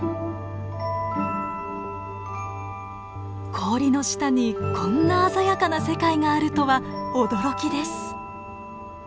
氷の下にこんな鮮やかな世界があるとは驚きです。